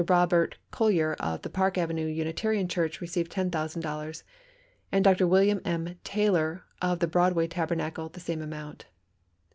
Robert Collyer of the Park Avenue Unitarian Church, received $10,000, and Dr. William M. Taylor of the Broadway Tabernacle the same amount.